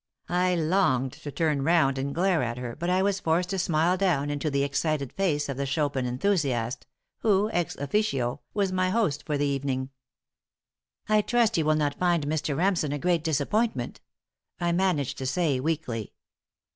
I longed to turn round and glare at her, but I was forced to smile down into the excited face of the Chopin enthusiast, who, ex officio, was my host for the evening. "I trust you will not find Mr. Remsen a great disappointment," I managed to say, weakly.